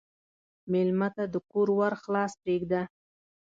مېلمه ته د کور ور خلاص پرېږده.